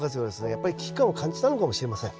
やっぱり危機感を感じたのかもしれません。